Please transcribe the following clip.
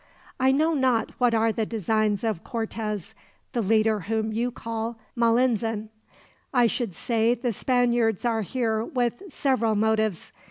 "I know not what are the designs of Cortez, the leader whom you call Malinzin. I should say the Spaniards are here with several motives.